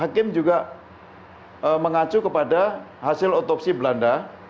hakim juga mengacu kepada hasil otopsi belanda